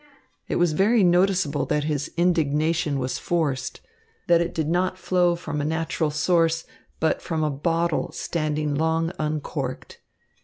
It was very noticeable that his indignation was forced, that it did not flow from a natural source, but from a bottle standing long uncorked.